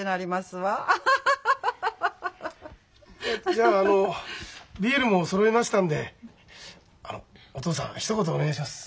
じゃああのビールもそろいましたんであのお父さんひと言お願いします。